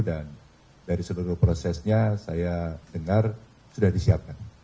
dan dari seluruh prosesnya saya dengar sudah disiapkan